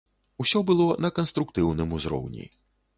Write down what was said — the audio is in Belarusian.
Усё было на канструктыўным узроўні.